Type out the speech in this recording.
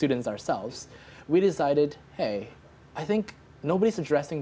tidak ada yang menjawab kebutuhan dan pendidikan ini